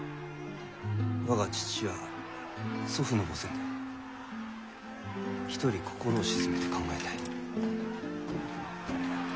我が父や祖父の墓前で一人心を静めて考えたい。